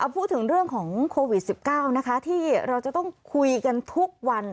พูดถึงเรื่องของโควิด๑๙นะคะที่เราจะต้องคุยกันทุกวัน